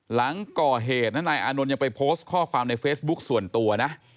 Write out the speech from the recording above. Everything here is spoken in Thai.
หลังก่อเหตุนะนายอานนท์ยังไปโพสต์ข้อความในเฟซบุ๊คส่วนตัวนะ